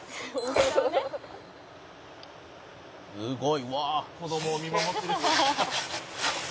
「すごいわあ」「子どもを見守ってる」